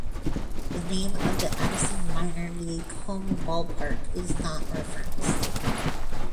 The name of the Addison minor league home ballpark is not referenced.